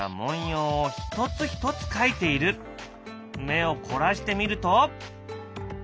目を凝らしてみると。